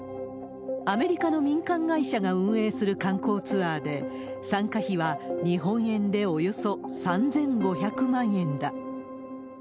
アメリカの民間会社が運営する観光ツアーで、参加費は日本円でおよそ３５００万円だ。